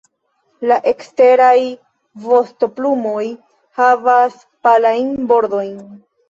La eksteraj vostoplumoj havas palajn bordojn.